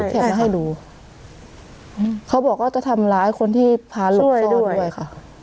มาให้ดูเขาบอกว่าจะทำร้ายคนที่พาหลบซ่อนด้วยค่ะ